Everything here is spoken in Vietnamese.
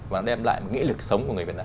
và nó đem lại nghĩa lực sống của người việt nam